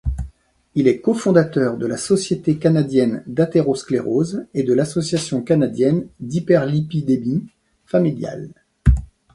Il est cofondateur de la Société canadienne d'athérosclérose et de l'Association canadienne d'hyperlipidémie familiale.